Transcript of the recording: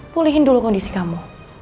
pulihin dulu kondisi kamu